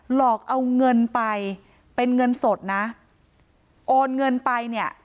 หลอกเอาเงินไปเป็นเงินสดนะโอนเงินไปเนี่ย